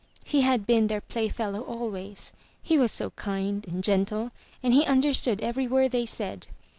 He had been their playfellow always; he was so kind and gentle, and he understood every word they said.